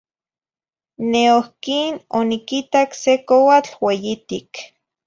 Neohquin oniquitac se coatl ueyitic.